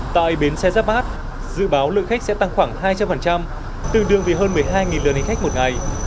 tại bến xe giáp bát dự báo lượng khách sẽ tăng khoảng hai trăm linh tương đương với hơn một mươi hai lượt hành khách một ngày